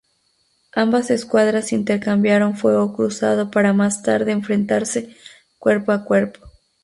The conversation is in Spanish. Ambas escuadras intercambiaron fuego cruzado para más tarde enfrentarse cuerpo a cuerpo.